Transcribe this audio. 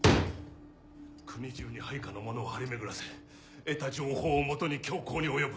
国中に配下の者を張り巡らせ得た情報をもとに凶行に及ぶ。